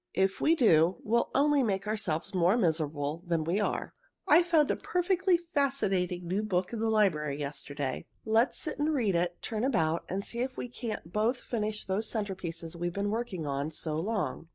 If we do, we'll only make ourselves more miserable than we are. I found a perfectly fascinating new book in the library yesterday. Let's sit and read it, turn about, and see if we can't both finish those centerpieces we've been working on so long.